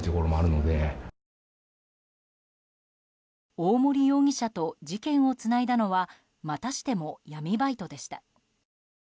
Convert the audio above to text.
大森容疑者と事件をつないだのはまたしても闇バイトでした。